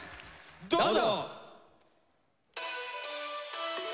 どうぞ！